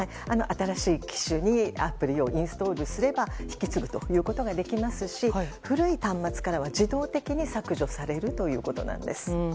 新しい機種にアプリをインストールすれば引き継ぐということができますし古い端末からは自動的に削除されるということなんです。